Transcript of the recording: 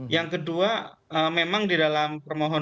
yang kedua memang di dalam permohonan